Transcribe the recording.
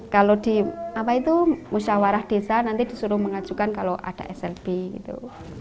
kalau di apa itu musyawarah desa nanti disuruh mengajukan kalau ada slb gitu